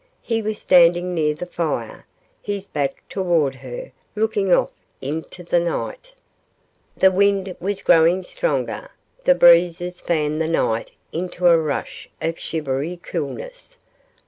He was standing near the fire, his back toward her, looking off into the night. The wind was growing stronger; the breezes fanned the night into a rush of shivery coolness.